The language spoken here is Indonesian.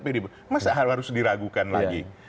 pdi perjuangan masa harus diragukan lagi